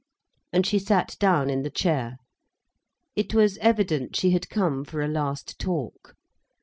And she sat down in the chair. It was evident she had come for a last talk.